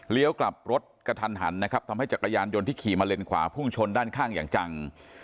กลับรถกระทันหันนะครับทำให้จักรยานยนต์ที่ขี่มาเลนขวาพุ่งชนด้านข้างอย่างจัง